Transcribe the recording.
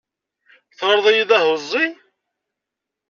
Tɣilleḍ-iyi d ahuẓẓi?